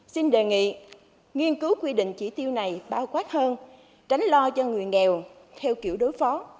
xin đề nghị nghiên cứu quy định chỉ tiêu này bao quát hơn tránh lo cho người nghèo theo kiểu đối phó